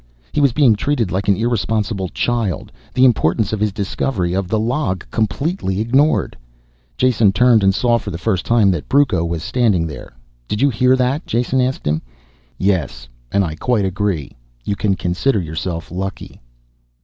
He was being treated like an irresponsible child, the importance of his discovery of the log completely ignored. Jason turned and saw for the first time that Brucco was standing there. "Did you hear that?" Jason asked him. "Yes. And I quite agree. You can consider yourself lucky."